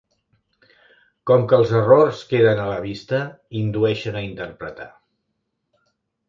Com que els errors queden a la vista, indueixen a interpretar.